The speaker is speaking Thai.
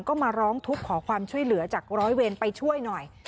ก็มาร้องทุกข์ขอความช่วยเหลือจากร้อยเวรไปช่วยหน่อย